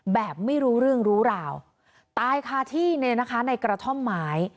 แบบไม่รู้เรื่องรู้ราวตายคาที่เลยนะคะในกระท่อมไม้